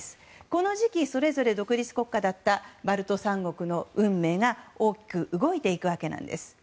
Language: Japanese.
この時期、それぞれ独立国家だったバルト三国の運命が大きく動いていくわけなんです。